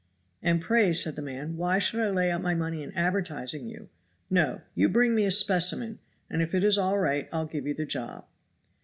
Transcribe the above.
"And pray," said the man, "why should I lay out my money in advertising you? No! you bring me a specimen, and if it is all right I'll give you the job."